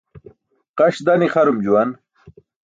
Qaṣ dan ixarum juwan.